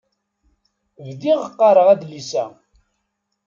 Bdiɣ qqareɣ adlis-a.